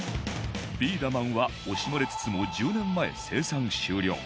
ビーダマンは惜しまれつつも１０年前生産終了